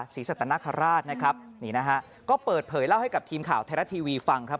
สัตนคราชนะครับนี่นะฮะก็เปิดเผยเล่าให้กับทีมข่าวไทยรัฐทีวีฟังครับ